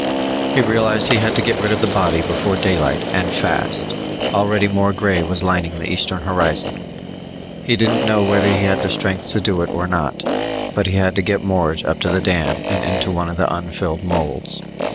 He realized he had to get rid of the body before daylight and fast! Already more grey was lining the eastern horizon. He didn't know whether he had the strength to do it or not, but he had to get Morge up to the dam and into one of the unfilled molds.